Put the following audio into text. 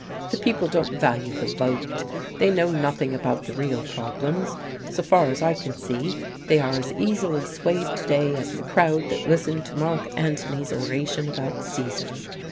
The people don't value the vote, they know nothing about the real problems. So far as I can see, they are as easily swayed to day as the crowd that listened to Mark Antony's oration about Caesar.